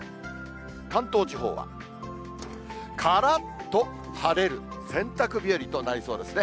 関東地方は、からっと晴れる、洗濯日和となりそうですね。